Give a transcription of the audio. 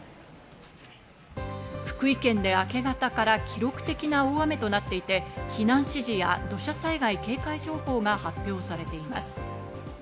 福井県で明け方から記録的な大雨となっていて、避難指示や土砂災害警戒情報が発表されています。